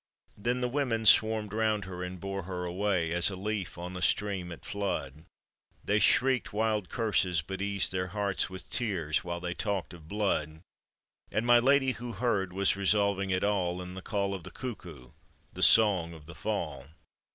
Then the women swarmed round her and bore her away, As a leaf on a stream at flood, They shrieked wild curses, but eased their hearts With tears, while they talked of blood; And my lady who heard was resolving it all In the call of the cuckoo, the song of the fall.